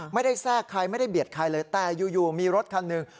แทรกใครไม่ได้เบียดใครเลยแต่อยู่มีรถคันหนึ่ง